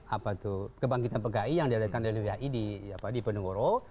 apa itu kebangkitan pki yang diadakan oleh vhi di penunggoro